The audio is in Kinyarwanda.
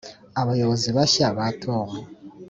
abayobozi bashya batowe